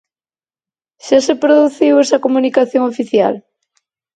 Xa se produciu esa comunicación oficial?